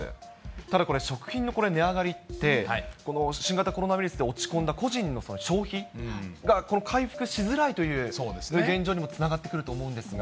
ただこれ、食品の値上がりって、この新型コロナウイルスで落ち込んだ個人の消費が回復しづらいという現状にもつながってくると思うんですが。